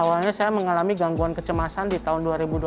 awalnya saya mengalami gangguan kecemasan di tahun dua ribu dua puluh